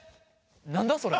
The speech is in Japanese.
何だそれ。